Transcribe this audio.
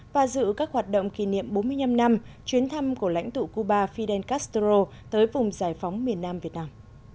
và giữ các hoạt động kỷ niệm bốn mươi năm năm chuyến thăm của lãnh tụ cuba fidel castro tới vùng giải phóng miền nam việt nam